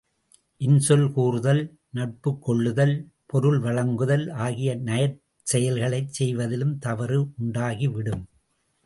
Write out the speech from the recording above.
இன்சொல் கூறுதல், நட்புக் கொள்ளுதல், பொருள் வழங்குதல் ஆகிய நற்செயல்களைச் செய்வதிலும் தவறு உண்டாகிவிடும்.